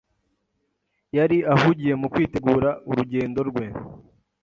Yari ahugiye mu kwitegura urugendo rwe.